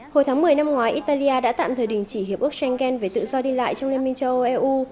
hồi tháng một mươi năm ngoái italia đã tạm thời đình chỉ hiệp ước schengen về tự do đi lại trong liên minh châu âu eu